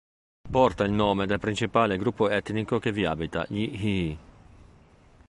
Porta il nome del principale gruppo etnico che vi abita, gli Yi.